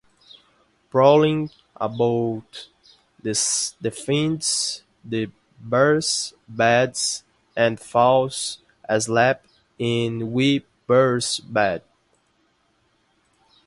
Prowling about, she finds the bears' beds and falls asleep in Wee Bear's bed.